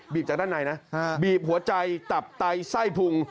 จากด้านในนะบีบหัวใจตับไตไส้พุง